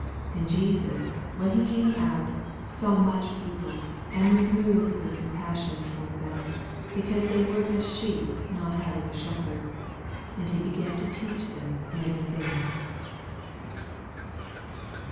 34 And Jesus, when he came out, saw much people, and was moved with compassion toward them, because they were as sheep not having a shepherd : and he began to teach them many things.